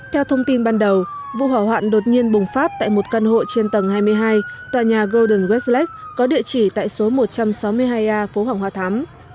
theo thông tin ban đầu vụ hỏa hoạn đột nhiên bùng phát tại một căn hộ trên tầng hai mươi hai tòa nhà golden westlak có địa chỉ tại số một trăm sáu mươi hai a phố hoàng hoa thám